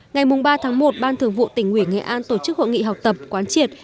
ngày ba tháng một ban thường vụ tỉnh ủy nghệ an tổ chức hội nghị học tập quán triệt